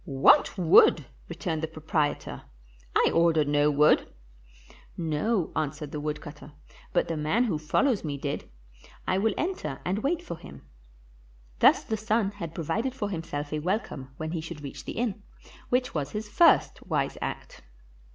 "What wood? " returned the proprietor, "I ordered no wood." 571 PALESTINE "No," answered the woodcutter, "but the man who follows me did; I will enter and wait for him." Thus the son had provided for himself a welcome when he should reach the inn, which was his first wise act.